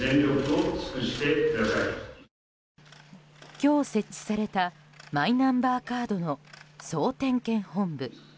今日、設置されたマイナンバーカードの総点検本部。